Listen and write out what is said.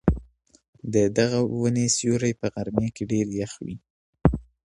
د دغې وني سیوری په غرمې کي ډېر یخ وي.